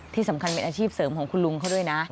ที่สำคัญเป็นอาชีพเสริมของคุณลุงเขาด้วยนะ